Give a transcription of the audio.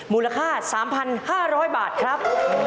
มูลค่า๓๕๐๐บาทครับ